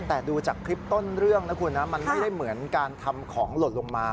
แต่ดูจากคลิปต้นเรื่องนะคุณนะมันไม่ได้เหมือนการทำของหล่นลงมา